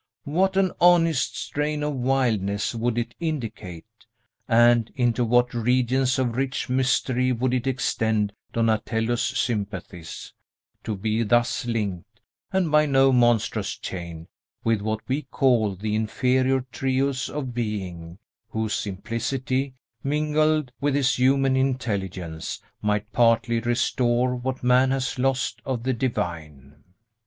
What an honest strain of wildness would it indicate! and into what regions of rich mystery would it extend Donatello's sympathies, to be thus linked (and by no monstrous chain) with what we call the inferior trioes of being, whose simplicity, mingled with his human intelligence, might partly restore what man has lost of the divine!